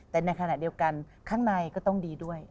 แต่ในขณะเดียวกันข้างในก็ต้องดีด้วย